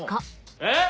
えっ！